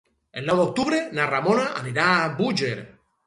El nou d'octubre na Ramona anirà a Búger.